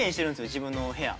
自分の部屋。